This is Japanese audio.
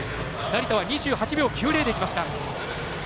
成田は２８秒９０でいきました。